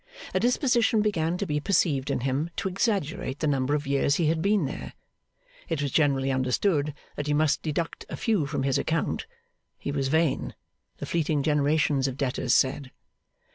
A disposition began to be perceived in him to exaggerate the number of years he had been there; it was generally understood that you must deduct a few from his account; he was vain, the fleeting generations of debtors said.